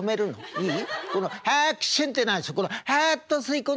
いい？